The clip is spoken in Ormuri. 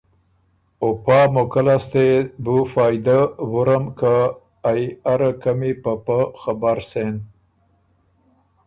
او پا موقع لاسته يې بو فائدۀ ورم که ائ اره قمی په پۀ خبر سېن